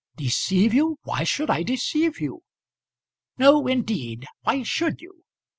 "Deceive you! Why should I deceive you?" "No, indeed. Why should you?